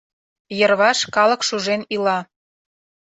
Йырваш калык шужен ила.